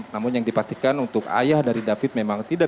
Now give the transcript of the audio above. namun yang dipastikan untuk ayah dari david memang tidak